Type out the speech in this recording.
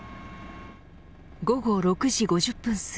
午後６時５０分です。